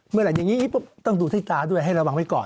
เมื่ออย่างนี้ต้องดูที่ตาด้วยให้ระวังไว้ก่อน